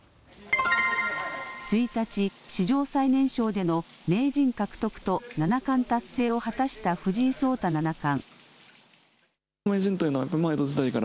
１日、史上最年少での名人獲得と七冠達成を果たした藤井聡太七冠。